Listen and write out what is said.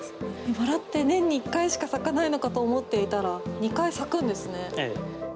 バラって年に１回しか咲かないのかと思っていたらええ。